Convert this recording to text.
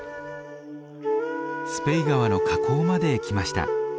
スペイ川の河口まで来ました。